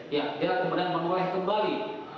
ya dia kemudian menoleh kembali